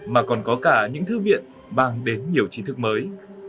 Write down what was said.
mà còn có cả những thư viện bằng đến nhiều chiến thức mới